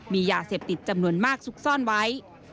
มียาเสพติดจำนวนมากซุกซ่อนไว้